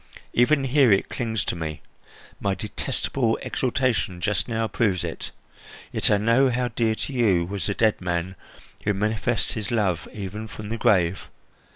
Even here it clings to me. My detestable exultation just now proves it. Yet I know how dear to you was the dead man who manifests his love even from the grave.